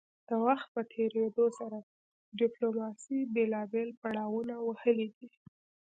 د وخت په تیریدو سره ډیپلوماسي بیلابیل پړاونه وهلي دي